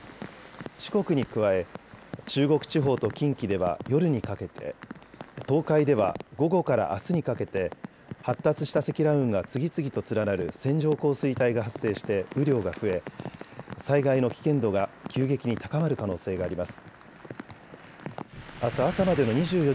四国に加え中国地方と近畿では夜にかけて、東海では午後からあすにかけて発達した積乱雲が次々と連なる線状降水帯が発生して雨量が増え災害の危険度が急激に高まる可能性があります。